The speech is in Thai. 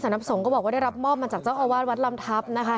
ศัลนับสงก็บอกว่าได้รับมอบมาจากจักรวาความธรรมดิกเถิมวัดลำทัพ